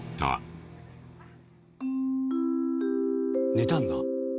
寝たんだ。